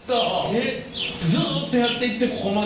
ずっとやっていってここまで？